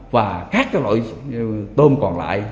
và khác cái loại tôm còn lại